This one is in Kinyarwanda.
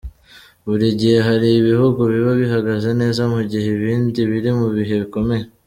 Buri gihe hari ibihugu biba bihagaze neza mu gihe ibindi biri mu bihe bikomeye.